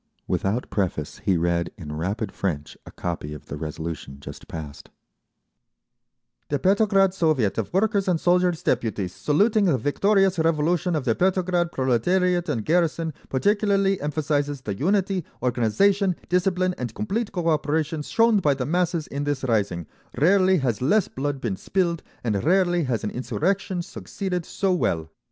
Without preface he read in rapid French a copy of the resolution just passed: The Petrograd Soviet of Workers' and Soldiers' Deputies, saluting the victorious Revolution of the Petrograd proletariat and garrison, particularly emphasises the unity, organisation, discipline, and complete cooperation shown by the masses in this rising; rarely has less blood been spilled, and rarely has an insurrection succeeded so well.